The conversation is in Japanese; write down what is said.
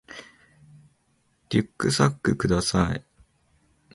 リュックサックください